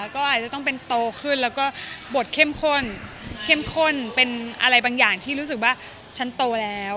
ก็อาจจะต้องเป็นโตขึ้นแล้วก็บทเข้มข้นเข้มข้นเป็นอะไรบางอย่างที่รู้สึกว่าฉันโตแล้ว